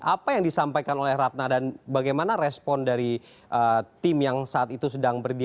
apa yang disampaikan oleh ratna dan bagaimana respon dari tim yang saat itu sedang berdiri